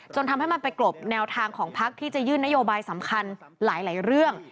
ทำให้มันไปกลบแนวทางของพักที่จะยื่นนโยบายสำคัญหลายเรื่อง